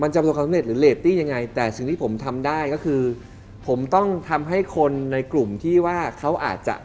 ชิงกันเองฮ่า